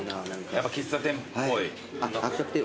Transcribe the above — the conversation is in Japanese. やっぱ喫茶店っぽい。